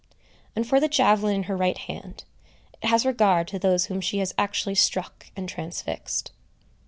And for the javelin in her right hand, it has regard to those whom she has actually struck and transfixed.